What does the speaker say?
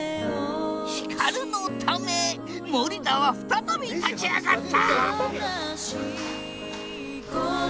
ヒカルのため森田は再び立ち上がった！